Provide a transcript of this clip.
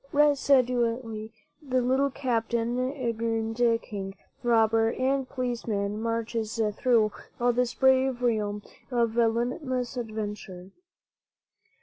Resolutely the little captain, aeronaut, king, robber and police man marches through all this brave realm of limitless adventure.